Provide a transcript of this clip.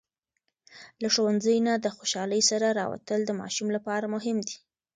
له ښوونځي نه د خوشالۍ سره راووتل د ماشوم لپاره مهم دی.